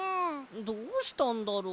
どうしたんだろう？